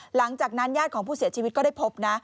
หลังจากนั้นญาติของผู้เสียชีวิตก็ได้พบนะ